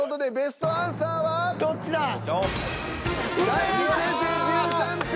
大吉先生１３票。